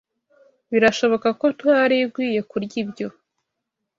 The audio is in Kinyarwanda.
Birashoboka ko ntari nkwiye kurya ibyo.